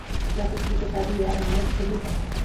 Traffic পুলিশকে ভাবি আর মায়ের ছবি পাঠাও।